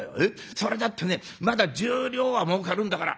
それだってねまだ１０両はもうかるんだから。